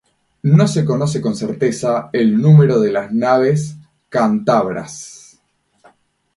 No se conoce con certeza el número de las naves cántabras.